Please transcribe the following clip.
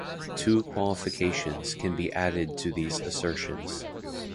Two qualifications can be added to these assertions.